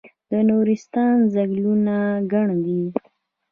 د نورستان ځنګلونه ګڼ دي